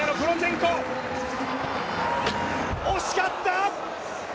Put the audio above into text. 惜しかった！